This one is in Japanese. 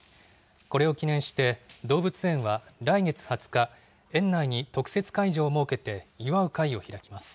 これを記念して、動物園は、来月２０日、園内に特設会場を設けて祝う会を開きます。